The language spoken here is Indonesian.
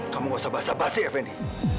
kamu gak usah basah basih fendi